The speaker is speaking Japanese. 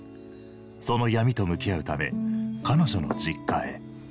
その闇と向き合うため彼女の実家へ。